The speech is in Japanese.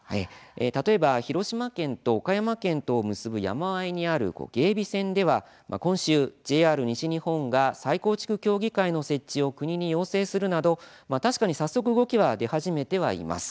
例えば広島県と岡山県を結ぶ山あいにある芸備線では今週、ＪＲ西日本が再構築協議会の設置を国に要請するなど早速、動きは出始めてはいます。